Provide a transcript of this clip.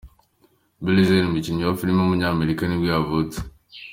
Billy Zane, umukinnyi wa filime w’umunyamerika nibwo yavutse.